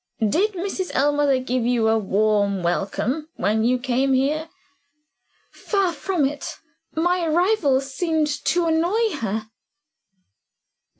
Did Mrs. Ellmother give you a warm welcome when you came here?" "Far from it. My arrival seemed to annoy her."